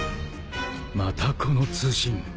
またこの通信。